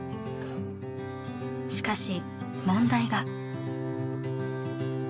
しかし問題が。